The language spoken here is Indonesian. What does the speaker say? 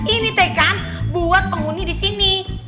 ini teh kan buat penghuni di sini